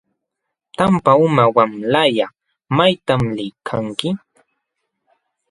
Tampa uma wamlalla ¿maytam liykanki?